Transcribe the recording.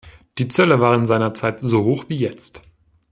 Die Zölle waren seinerzeit so hoch wie jetzt.